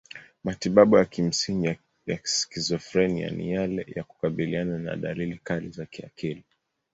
Matibabu ya kimsingi ya skizofrenia ni yale ya kukabiliana na dalili kali za kiakili.